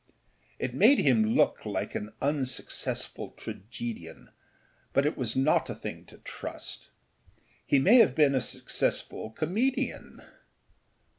It made him look like an unsuccessful tragedian; but it was not a thing to trust. He may have been a successful comedian.